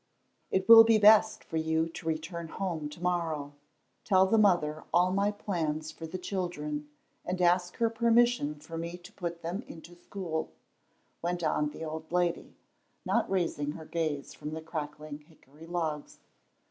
"It will be best for you to return home to morrow; tell the mother all my plans for the children, and ask her permission for me to put them into school," went on the old lady, not raising her gaze from the crackling hickory logs.